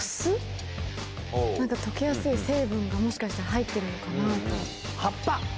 何か解けやすい成分がもしかしたら入ってるのかなと。